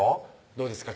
どうですか？